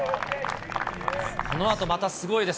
このあとまたすごいです。